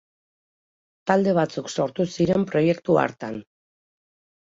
Talde batzuk sortu ziren proiektu hartan.